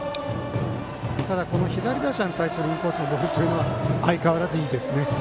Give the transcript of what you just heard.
左打者に対するインコースのボールはしかし相変わらず、いいですね。